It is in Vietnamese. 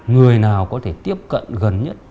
người nào có thể tiếp cận gần nhất